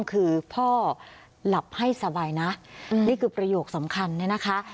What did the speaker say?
คือพ่อหลับให้สบายนะนี่คือประโยคสำคัญเนี่ยนะคะ